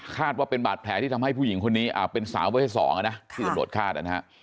ว่าเป็นบาดแผลที่ทำให้ผู้หญิงคนนี้เป็นสาวประเภท๒นะที่ตำรวจคาดนะฮะ